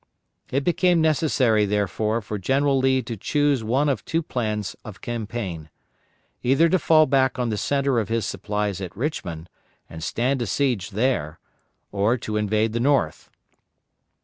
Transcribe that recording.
It became necessary, therefore, for General Lee to chose one of two plans of campaign: Either to fall back on the centre of his supplies at Richmond, and stand a siege there, or to invade the North.